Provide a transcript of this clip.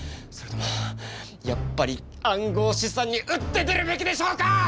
それともやっぱり暗号資産に打って出るべきでしょうか！？